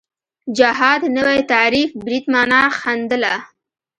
جهاد نوی تعریف برید معنا ښندله